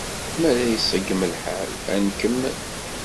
Mi ara iṣeggem lḥal, ad nkemmel.